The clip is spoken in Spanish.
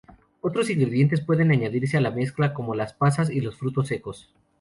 Otros ingredientes pueden añadirse a la mezcla, como las pasas y los frutos secos.